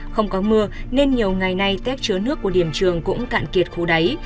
không có mưa nên nhiều ngày nay tét chứa nước của điểm trường cũng cạn kiệt khô đáy